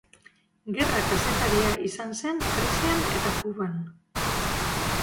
Gerra-kazetaria izan zen Grezian eta Kuban.